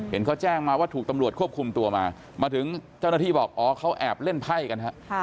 เขาแจ้งมาว่าถูกตำรวจควบคุมตัวมามาถึงเจ้าหน้าที่บอกอ๋อเขาแอบเล่นไพ่กันฮะ